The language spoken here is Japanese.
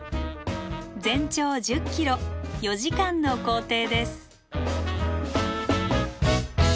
全長１０ｋｍ４時間の行程です。